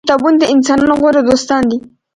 کتابونه د انسانانو غوره دوستان دي.